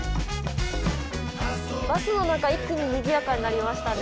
バスの中一気ににぎやかになりましたね。